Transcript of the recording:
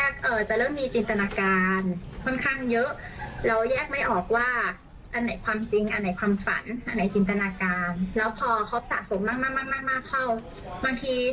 ครับ